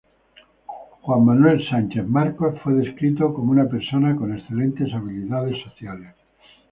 Juan Manuel Sánchez Marcos fue descrito como una persona con excelentes habilidades sociales.